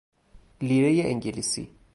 لیرۀ انگلیسی